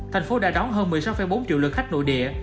thành phố đã đón hơn một mươi sáu bốn triệu lượt khách nội địa